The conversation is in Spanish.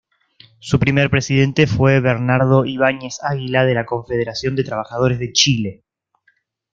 Su primer presidente fue Bernardo Ibáñez Águila de la Confederación de Trabajadores de Chile.